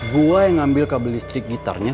gue yang ambil kabel listrik gitarnya